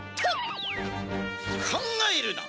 考えるな！